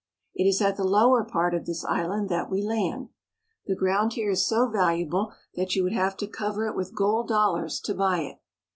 It is at thie lower part of this island that we land. The ground here is so valuable that you would have to cover it with gold dollars to buy it.